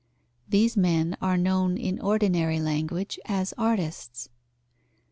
These men are known in ordinary language as artists.